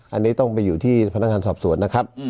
อันนี้ต้องไปอยู่ที่พนักงานสอบสวนนะครับ